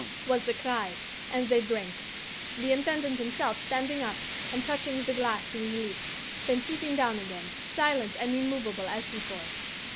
"'Jamond! Jamond!' was the cry, and they drank; the Intendant himself standing up, and touching the glass to his lips, then sitting down again, silent and immovable as before.